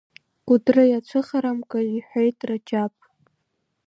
Кәыдры иацәыхарамкәа, — иҳәеит Раџьаԥ.